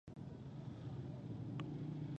نحوه په لغت کښي لاري او طریقې ته ویل کیږي.